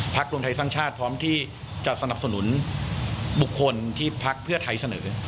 รวมไทยสร้างชาติพร้อมที่จะสนับสนุนบุคคลที่พักเพื่อไทยเสนอ